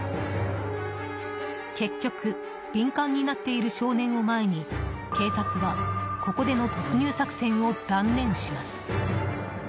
結局敏感になっている少年を前に警察はここでの突入作戦を断念します。